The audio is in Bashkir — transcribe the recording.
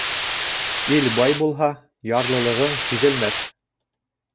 Ил бай булһа, ярлылығың һиҙелмәҫ.